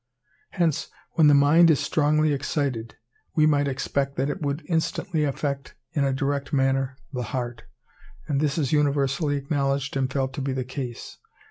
Hence when the mind is strongly excited, we might expect that it would instantly affect in a direct manner the heart; and this is universally acknowledged and felt to be the case.